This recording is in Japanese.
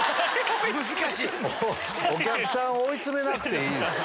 お客さん追い詰めなくていいでしょ。